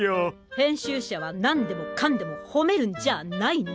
編集者は何でもかんでもほめるんじゃないの。